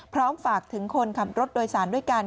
พร้อมฝากถึงคนขับรถโดยสารด้วยกัน